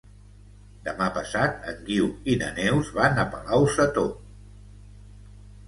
Demà passat en Guiu i na Neus van a Palau-sator.